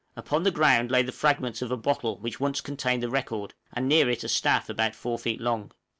Upon the ground lay the fragments of a bottle which once contained the record, and near it a staff about 4 feet long.